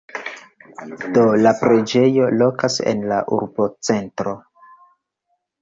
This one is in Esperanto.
Do, la preĝejo lokas en la urbocentro.